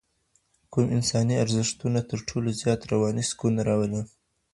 کوم انساني ارزښتونه تر ټولو زیات رواني سکون راولي؟